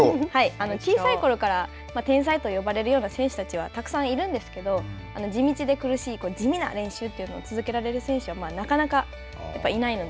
小さいころから天才と呼ばれるような選手たちはたくさんいるんですけど地道で苦しい地味な練習というのを続けられる選手はなかなかやっぱいないので。